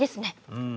うん。